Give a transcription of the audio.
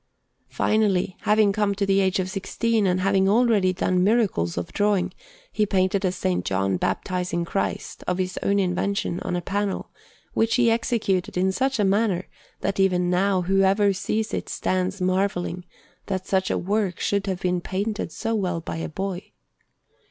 Finally, having come to the age of sixteen, and having already done miracles of drawing, he painted a S. John baptizing Christ, of his own invention, on a panel, which he executed in such a manner that even now whoever sees it stands marvelling that such a work should have been painted so well by a boy.